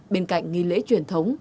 bên cạnh nghỉ lễ truyền thống